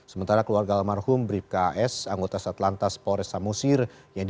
sementara keluarga almarhum bribka as anggota satlantas polres samosir